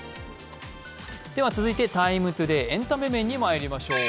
続いて「ＴＩＭＥ，ＴＯＤＡＹ」、エンタメ面にまいりましょう。